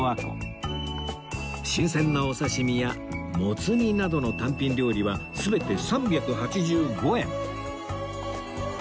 新鮮なお刺身やもつ煮などの単品料理は全て３８５円